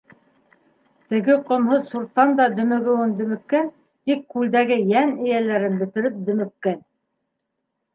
Теге ҡомһоҙ суртан да дөмөгөүен дөмөккән, тик күлдәге йән эйәләрен бөтөрөп дөмөккән.